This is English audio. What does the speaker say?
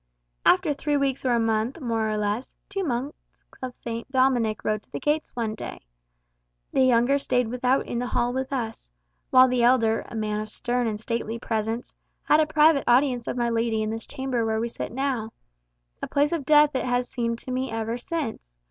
"After three weeks or a month, more or less, two monks of St. Dominic rode to the gates one day. The younger stayed without in the hall with us; while the elder, a man of stern and stately presence, had private audience of my lady in this chamber where we sit now a place of death it has seemed to me ever since.